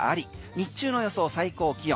日中の予想最高気温。